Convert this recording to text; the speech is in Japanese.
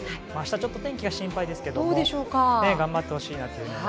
ちょっと天気が心配ですけど頑張ってほしいなと思います。